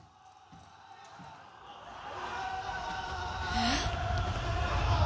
・えっ？